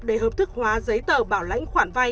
để hợp thức hóa giấy tờ bảo lãnh khoản vay